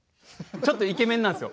ちょっとイケメンなんですよ